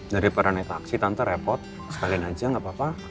daripada naik taksi tante repot sekalian aja gak apa apa